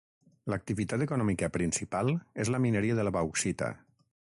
L'activitat econòmica principal és la mineria de la bauxita.